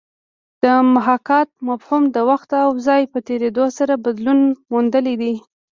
د محاکات مفهوم د وخت او ځای په تېرېدو سره بدلون موندلی دی